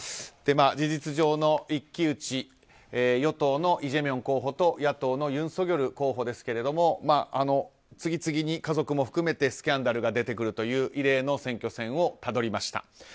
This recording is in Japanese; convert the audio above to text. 事実上の一騎打ち与党のイ・ジェミョン候補と野党のユン・ソギョル候補ですが次々に家族も含めてスキャンダルが出てくるという異例の選挙戦をたどりました。